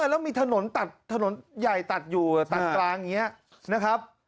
แล้วมีถนนตัดถนนใหญ่ตัดอยู่ตัดกลางอย่างนี้นะครับ